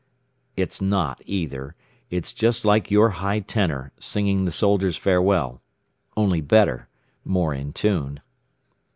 It's not, either. It's just like your high tenor, singing the Soldier's Farewell. Only better. More in tune....